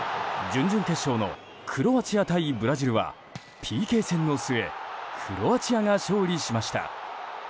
準々決勝のクロアチア対ブラジルはＰＫ戦の末クロアチアが勝利しました。